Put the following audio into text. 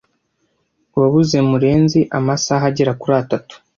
Wabuze Murenzi amasaha agera kuri atatu.